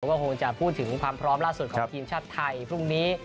ก็คงจะพูดถึงความพร้อมล่าสุดของทีมชาติไทยพรุ่งนี้